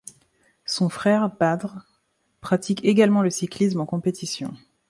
Son frère Badr pratique également le cyclisme en compétition.